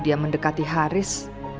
sehingga mendekati haris